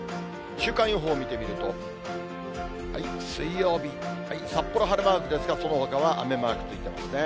週間予報を見てみると、水曜日、札幌晴れマークですが、そのほかは雨マークついてますね。